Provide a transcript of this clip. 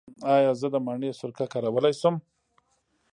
ایا زه د مڼې سرکه کارولی شم؟